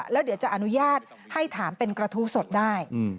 แล้วเดี๋ยวจะอนุญาตให้ถามเป็นกระทู้สดได้